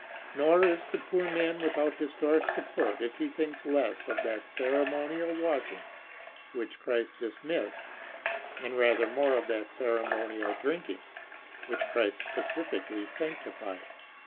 Nor is the poor man without historic support if he thinks less of that ceremonial washing which Christ dismissed, and rather more of that ceremonial drinking which Christ specially sanctified.